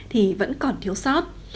thì vẫn còn thiếu sót